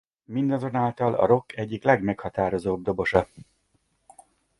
Mindazonáltal a rock egyik legmeghatározóbb dobosa.